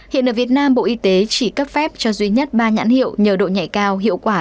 hiện ở việt nam bộ y tế chỉ cấp phép cho duy nhất ba nhãn hiệu nhờ độ nhảy cao hiệu quả